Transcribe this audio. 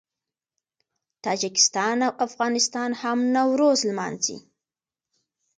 تاجکستان او افغانستان هم نوروز لمانځي.